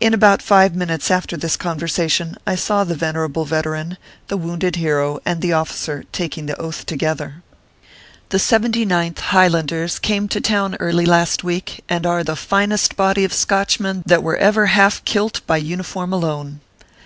In about five minutes after this conversation, I saw the venerable veteran, the wounded hero, and the officer taking the Oath together. The Seventy ninth, Highlanders, came to town early last week, and are the finest body of Scotchmen that were ever half kilt by uniform alone.